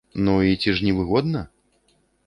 Ну, і ці ж невыгодна?